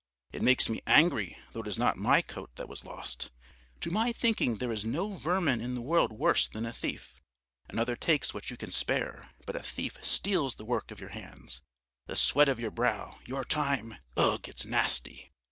It makes me angry though it is not my coat that was lost. To my thinking there is no vermin in the world worse than a thief. Another takes what you can spare, but a thief steals the work of your hands, the sweat of your brow, your time ... Ugh, it's nasty!